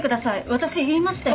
私言いましたよね？